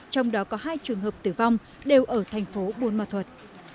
trong đó có hai trường hợp tử vong đều ở thành phố buôn ma thuật